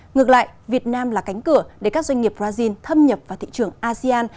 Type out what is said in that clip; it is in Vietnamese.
ngược lại việt nam là cánh cửa để các doanh nghiệp brazil thâm nhập vào thị trường asean